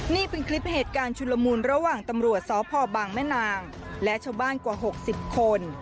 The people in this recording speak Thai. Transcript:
นี่เป็นคลิปเหตุการณ์ชุลมูลระหว่างตำรวจสพบางแม่นางและชาวบ้านกว่า๖๐คน